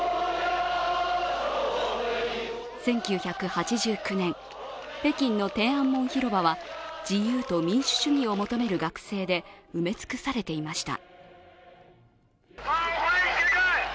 １９８９年、北京の天安門広場は自由と民主主義を求める学生で埋め尽くされていました。